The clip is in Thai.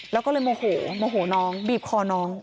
แล้วก็เลยโมโหโมโหน้องบีบคอน้อง